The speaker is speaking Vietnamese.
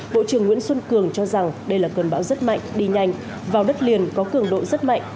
bộ trưởng nguyễn xuân cường cho rằng đây là cơn bão rất mạnh đi nhanh vào đất liền có cường độ rất mạnh